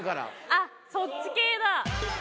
あっそっち系だ。